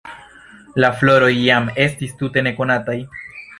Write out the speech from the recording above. La floroj jam estis tute nekonataj.